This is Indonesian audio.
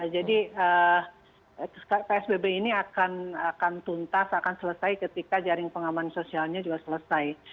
jadi psbb ini akan tuntas akan selesai ketika jaring pengaman sosialnya juga selesai